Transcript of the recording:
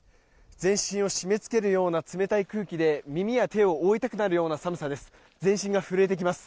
全身を締めつけるような冷たい空気で耳や手を覆いたくなるような寒さです。